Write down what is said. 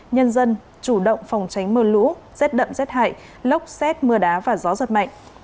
nhân dân chủ động phòng tránh mưa lũ rét đậm rét hại lốc xét mưa đá và gió giật mạnh